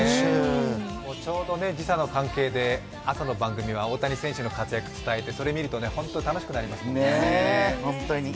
ちょうど時差の関係で朝の番組は大谷選手の活躍を伝えてそれを見ると本当に楽しくなりますね。